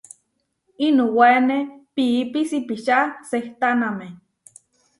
Inuwáene piípi sipiča sehtáname.